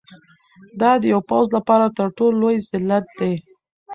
دا د یو پوځ لپاره تر ټولو لوی ذلت دی.